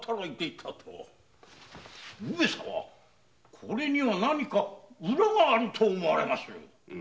これには何か「ウラ」があると思われまする。